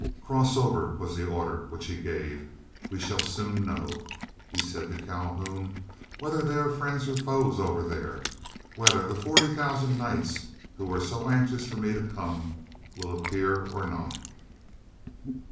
"Cross over," was the order which he gave. "We shall soon know," he said to Calhoun, "whether they are friends or foes over there; whether the forty thousand Knights who were so anxious for me to come will appear or not."